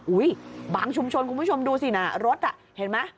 บางชุมชนคุณผู้ชมดูสินะรถเห็นไหม